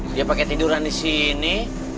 dia pakai tiduran di sini